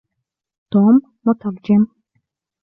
توم مترجم.